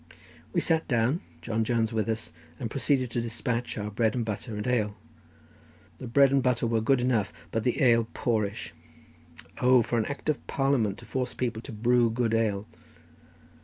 We sat down, John Jones with us, and proceeded to despatch our bread and butter and ale. The bread and butter were good enough, but the ale poorish. O, for an Act of Parliament to force people to brew good ale!